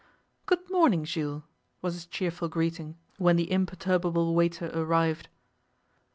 'Good morning, Jules,' was his cheerful greeting, when the imperturbable waiter arrived.